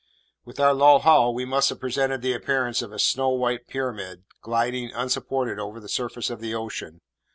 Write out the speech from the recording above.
With our low hull, we must have presented the appearance of a snow white pyramid, gliding, unsupported, over the surface of the ocean.